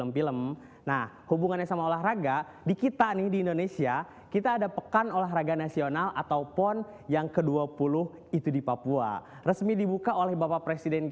pocongako cipi semida asik